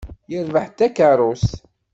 Yerbeḥ-d takeṛṛust.